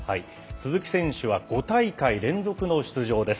鈴木選手は５大会連続の出場です。